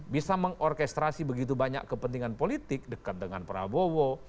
bisa mengorkestrasi begitu banyak kepentingan politik dekat dengan prabowo